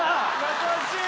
優しい！